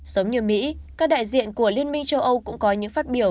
giống như mỹ các đại diện của liên minh châu âu cũng có những phát biểu